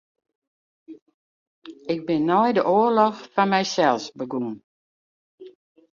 Ik bin nei de oarloch foar mysels begûn.